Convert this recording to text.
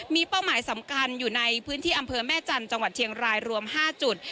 มีเป้าหมายสำคัญอยู่ในพื้นที่อำเภอแม่จันทร์จังหวัดเชียงรายรวม๕จุด